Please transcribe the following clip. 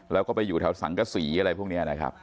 แล้วก็ไปอยู่แถวสังกษีอะไรพวกนี้นะครับ